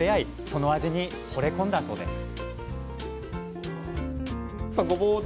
その味にほれ込んだそうです